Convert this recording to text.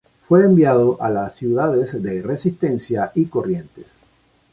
Fue enviado a las ciudades de Resistencia y Corrientes.